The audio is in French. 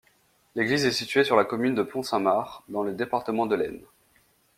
L'église est située sur la commune de Pont-Saint-Mard, dans le département de l'Aisne.